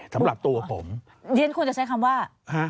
สำหรับตัวผมเดี๋ยวฉันคุณจะใช้คำว่าคือ